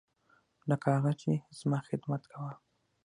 لکه هغه چې زما خدمت کاوه.